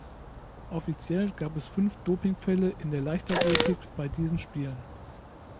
Offiziell gab es fünf Dopingfälle in der Leichtathletik bei diesen Spielen.